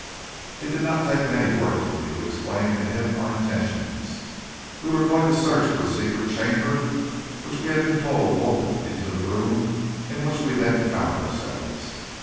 It did not take many words for me to explain to him our intentions. We were going to search for a secret chamber which we had been told opened into the room in which we then found ourselves.